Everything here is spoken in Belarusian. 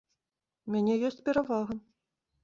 У мяне ёсць перавага!